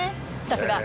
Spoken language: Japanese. さすが。